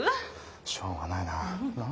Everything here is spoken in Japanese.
しょうがないなあ。